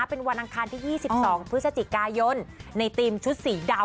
เป็นวันอังคารที่๒๒พฤศจิกายนในทีมชุดสีดำ